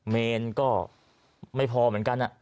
เมนก็ไม่พอเหมือนกัน